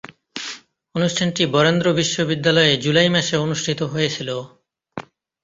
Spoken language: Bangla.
অনুষ্ঠানটি বরেন্দ্র বিশ্ববিদ্যালয়ে জুলাই মাসে অনুষ্ঠিত হয়েছিলো।